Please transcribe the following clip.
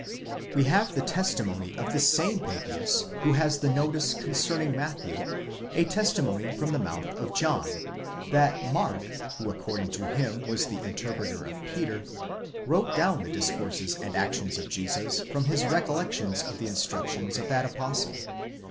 We have the testimony of the same Papias who has the notice concerning Matthew, a testimony from the mouth of John (πρεσβύτερος), that Mark, who according to him was the interpreter of Peter (ἑρμηνευτὴς Πέτρου), wrote down the discourses and actions of Jesus from his recollections of the instructions of that Apostle.